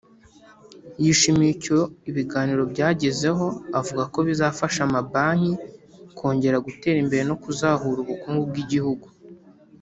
yishimiye icyo ibiganiro byagezeho avuga ko bizafasha amabanki kongera gutera imbere no kuzahura ubukungu bw’igihugu